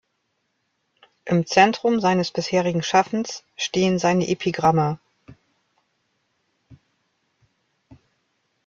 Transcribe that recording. Im Zentrum seines bisherigen Schaffens stehen seine Epigramme.